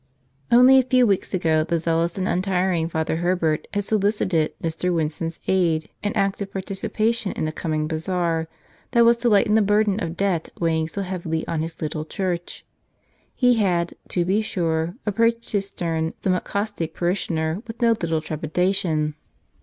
Only a few weeks ago the zealous and untiring Father Herbert had solicited Mr. Winson's aid and active participation in the coming bazaar that was to lighten the burden of debt weighing so heavily on his little church. He had, to be sure, approached his stern, somewhat caustic parishioner with no little trepidation.